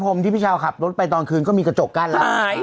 ผมที่พี่ชาวขับรถไปตอนคืนก็มีกระจกกั้นแล้ว